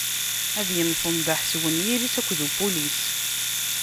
Ad imsenḍaḥ s uniyir-s akked upulis..